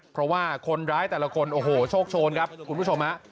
เพราะว่าคนร้ายแต่ละคนโอ้โหโชคโชนครับคุณผู้ชมฮะ